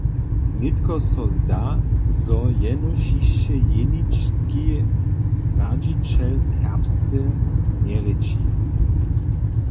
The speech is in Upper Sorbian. Nětko so zda, zo jenož hišće jenički radźićel serbsce njerěči.